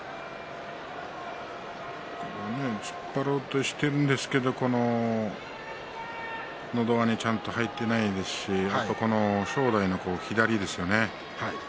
突っ張ろうとしているんですけどのど輪にちゃんと入っていないですし正代の左ですよね。